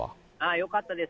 よかったです。